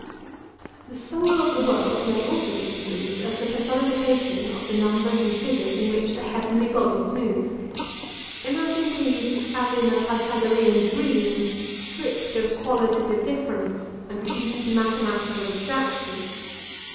The soul of the world may also be conceived as the personification of the numbers and figures in which the heavenly bodies move. Imagine these as in a Pythagorean dream, stripped of qualitative difference and reduced to mathematical abstractions.